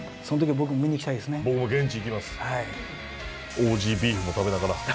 オージー・ビーフも食べながら。